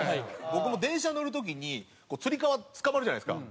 僕も電車乗る時に吊り革つかまるじゃないですか。